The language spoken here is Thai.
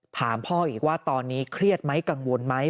ถามพ่ออีกว่าตอนนี้เครียดไหมกังวลไหม